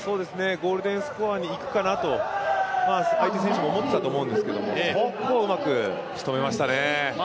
ゴールデンスコアにいくかなと、相手選手も思ってたと思うんですけどそこをうまくしとめましたね、見事でした。